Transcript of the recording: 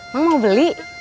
mang mau beli